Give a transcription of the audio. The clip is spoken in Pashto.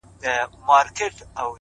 o ځوان دعا کوي،